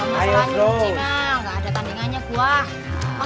gak ada tandingannya gua